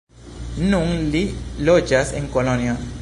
Nun li loĝas en Kolonjo.